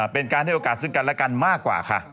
เป็นการให้โอกาสซึ่งกันและกันมากกว่าค่ะ